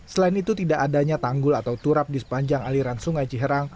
selain itu tidak adanya tanggul atau turap di sepanjang aliran sungai ciherang